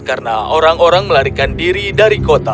karena orang orang melarikan diri dari kota